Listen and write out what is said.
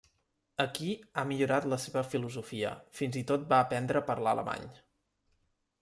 Aquí, ha millorat la seva filosofia, fins i tot va aprendre parlar alemany.